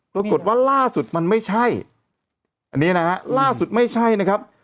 ปรากฏว่าล่าสุดมันไม่ใช่อันนี้นะฮะล่าสุดไม่ใช่นะครับ